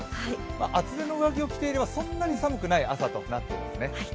厚手の上着を着ていれば、そんなに寒くない朝となっていますね。